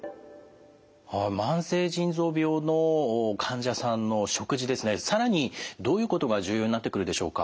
慢性腎臓病の患者さんの食事ですね更にどういうことが重要になってくるでしょうか？